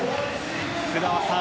福澤さん